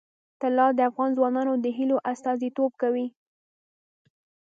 طلا د افغان ځوانانو د هیلو استازیتوب کوي.